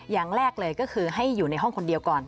อย่างแรกเลยก็คือให้อยู่ในห้องคนเดียวก่อน